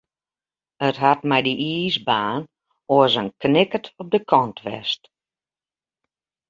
It hat mei dy iisbaan oars in knikkert op de kant west.